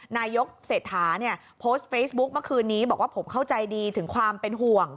นายกเศรษฐาเนี่ยโพสต์เฟซบุ๊คเมื่อคืนนี้บอกว่าผมเข้าใจดีถึงความเป็นห่วง